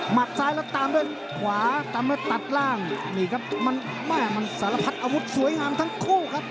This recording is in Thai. ซ้ายแล้วตามด้วยขวาตามด้วยตัดล่างนี่ครับมันแม่มันสารพัดอาวุธสวยงามทั้งคู่ครับ